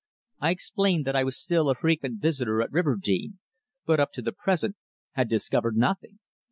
I explained that I was still a frequent visitor at Riverdene, but up to the present had discovered nothing.